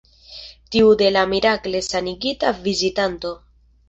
Tiu de la mirakle sanigita vizitanto.